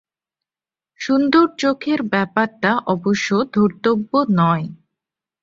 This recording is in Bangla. সুন্দর চোখের ব্যাপারটা অবশ্য ধর্তব্য নয়।